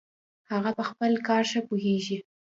هغه په خپل کار ښه پوهیږي